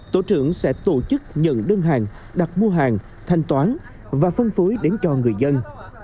tổ trưởng sẽ tổ chức nhận đơn hàng đặt mua hàng thanh toán và phân phối đến cho người dân